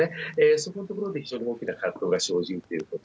そこのところで非常に大きな葛藤が生じるということ。